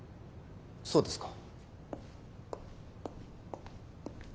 そうですか。